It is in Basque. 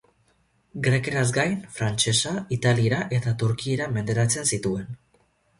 Grekeraz gain, frantsesa, italiera eta turkiera menderatzen zituen.